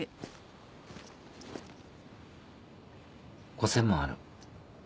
５，０００万ある。